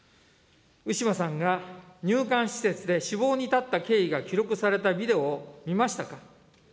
ウィシュマさんが入管施設で死亡に至った経緯が記録されたビデオを見ましたか。